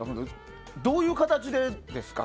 どういう形でですか？